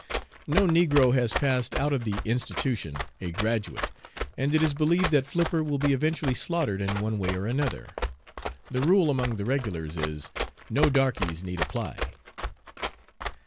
No negro has passed out of the institution a graduate, and it is believed that Flipper will be eventually slaughtered in one way or another. The rule among the regulars is: No darkeys need apply."